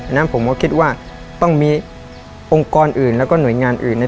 นั้นผมก็คิดว่าต้องมีองค์กรอื่นแล้วก็หน่วยงานอื่น